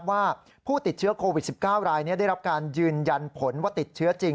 ว่าผู้ติดเชื้อโควิด๑๙รายนี้ได้รับการยืนยันผลว่าติดเชื้อจริง